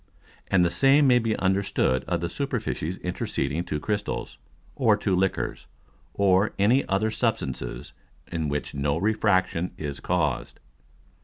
And the same may be understood of the Superficies interceding two Crystals, or two Liquors, or any other Substances in which no Refraction is caused.